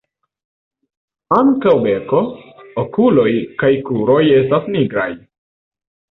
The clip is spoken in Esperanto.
Ankaŭ beko, okuloj kaj kruroj estas nigraj.